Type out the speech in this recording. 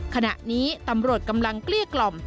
ขณะนี้ตำรวจกำลังเกลี้ยกล่อม